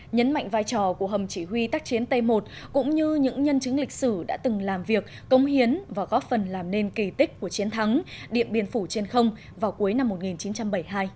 nhấn mạnh vai trò của hầm chỉ huy tác chiến tây một cũng như những nhân chứng lịch sử đã từng làm việc công hiến và góp phần làm nên kỳ tích của chiến thắng điện biên phủ trên không vào cuối năm một nghìn chín trăm bảy mươi hai